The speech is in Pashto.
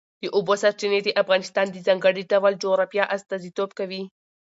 د اوبو سرچینې د افغانستان د ځانګړي ډول جغرافیه استازیتوب کوي.